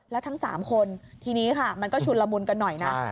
แล้วทั้ง๓คนทีนี้ค่ะมันก็ชุนละมุนกันหน่อยนะ